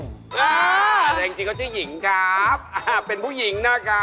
มันไปช่องผู้หญิง